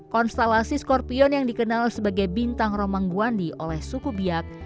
konstelasi skorpion yang dikenal sebagai bintang romang guandi oleh suku biak